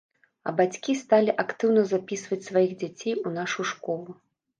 А бацькі сталі актыўна запісваць сваіх дзяцей у нашу школу.